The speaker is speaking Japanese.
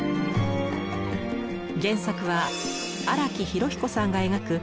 原作は荒木飛呂彦さんが描く